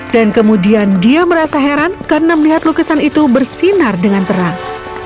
dan kemudian dia merasa heran karena melihat lukisan itu bersinar dengan terang